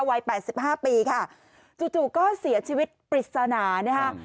วัย๘๕ปีค่ะจู่จู่ก็เสียชีวิตปริศนานะคะ